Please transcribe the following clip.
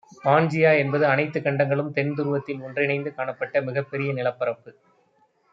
பான்ஜியா என்பது அனைத்துக் கண்டங்களும் தென்துருவத்தில் ஒன்றிணைந்து காணப்பட்ட மிகப்பெரிய நிலப்பரப்பு